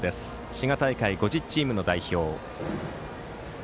滋賀大会５０チームの代表。